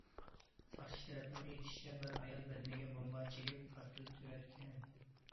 ساقچى تەرەپنىڭ ئېيتىشىچە، بىر ئايال بەدىنىگە بومبا چىگىپ پارتلىتىۋەتكەن.